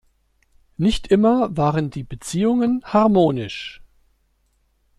Nicht immer waren die Beziehungen harmonisch.